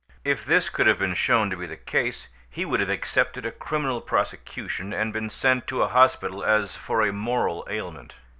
If this could have been shown to be the case he would have escaped a criminal prosecution, and been sent to a hospital as for a moral ailment.